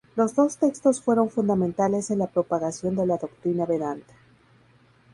Los dos textos fueron fundamentales en la propagación de la doctrina Vedanta.